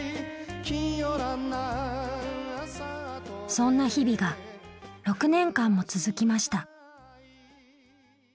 そんな日々が６年間も続きました。